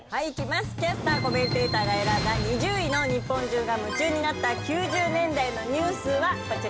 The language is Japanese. キャスターコメンテーターが選んだ２０位の日本中が夢中になった９０年代のニュースはこちらです。